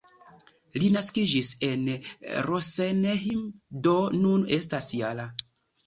Li naskiĝis en Rosenheim, do nun estas -jara.